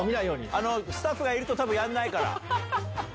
スタッフがいると多分やんないから。